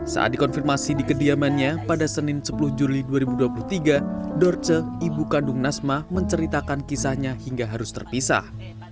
saat dikonfirmasi di kediamannya pada senin sepuluh juli dua ribu dua puluh tiga dorce ibu kandung nasma menceritakan kisahnya hingga harus terpisah